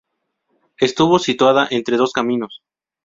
Estuvo situada entre dos caminos.